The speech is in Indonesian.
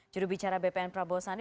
juru bicara bpn prabowo sandi